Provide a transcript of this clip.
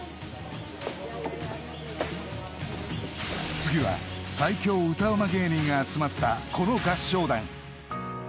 ［次は最強歌ウマ芸人が集まったこの合唱団］